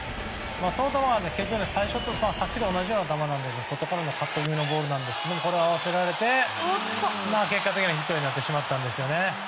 その球は結局さっきと同じような球なんですけど外からのカット気味のボールなんですけど合わせられて結果的にはヒットになってしまったんですよね。